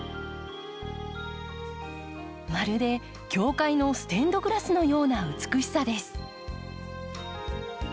まるで教会のステンドグラスのような美しさです。